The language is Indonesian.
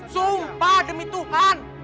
sumpah demi tuhan